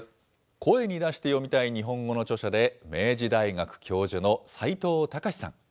声に出して読みたい日本語の著者で、明治大学教授の齋藤孝さん。